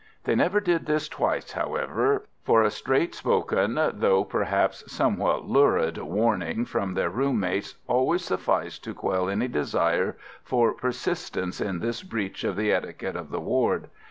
They never did this twice, however, for a straight spoken, though perhaps somewhat lurid, warning from their room mates always sufficed to quell any desire for persistence in this breach of the etiquette of the ward.